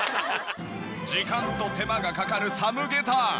時間と手間がかかるサムゲタン。